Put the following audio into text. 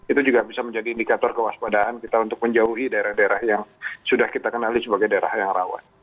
itu juga bisa menjadi indikator kewaspadaan kita untuk menjauhi daerah daerah yang sudah kita kenali sebagai daerah yang rawan